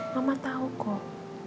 mama tau kok